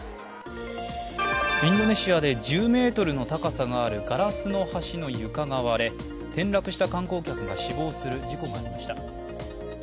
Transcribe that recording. インドネシアで１０ｍの高さがあるガラスの橋の床が割れ転落した観光客が死亡する事故がありました。